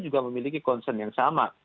juga memiliki concern yang sama